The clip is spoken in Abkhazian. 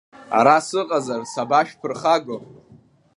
Ара сыҟазар сабашәԥырхаго?